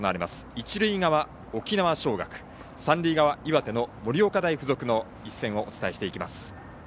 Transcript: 一塁側、沖縄尚学三塁側、岩手・盛岡大付属の一戦をお伝えします。